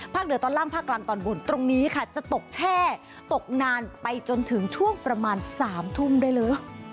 เหนือตอนล่างภาคกลางตอนบนตรงนี้ค่ะจะตกแช่ตกนานไปจนถึงช่วงประมาณ๓ทุ่มได้เลย